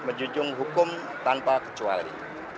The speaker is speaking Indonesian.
menjunjung hukum tanpa kecuali